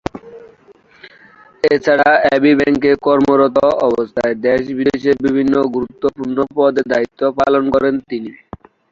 এছাড়া এবি ব্যাংকে কর্মরত অবস্থায় দেশ-বিদেশের বিভিন্ন গুরুত্বপূর্ণ পদে দায়িত্ব পালন করেন তিনি।